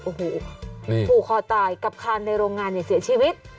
โอ้โหผูกคอตายกับคานในโรงงานเนี่ยเสียชีวิต